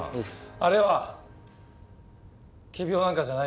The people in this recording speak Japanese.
あれは仮病なんかじゃないよ。